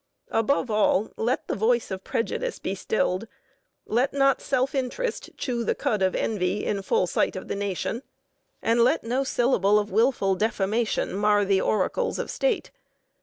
Above all, let the voice of prejudice be stilled, let not self interest chew the cud of envy in full sight of the nation, and let no syllable of willful defamation mar the oracles of state.